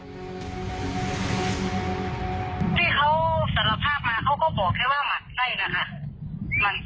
ที่เขาสารภาพมาเขาก็บอกแค่ว่าหมัดไส้นะคะ